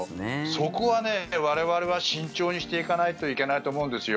そこは我々は慎重にしていかないといけないと思うんですよ。